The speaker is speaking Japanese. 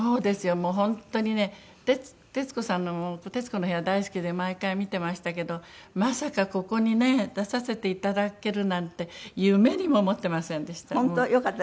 もう本当にね徹子さんの『徹子の部屋』大好きで毎回見てましたけどまさかここにね出させていただけるなんて夢にも思ってませんでした。